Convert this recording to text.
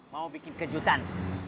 mau bikin kejutan